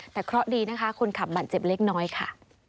แต่เคราะห์ดีนะคะคนขับบาดเจ็บเล็กน้อยค่ะ